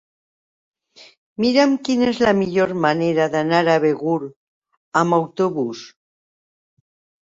Mira'm quina és la millor manera d'anar a Begur amb autobús.